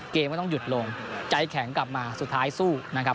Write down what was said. ก็ต้องหยุดลงใจแข็งกลับมาสุดท้ายสู้นะครับ